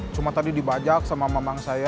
cuma tadi dibajak sama mamang saya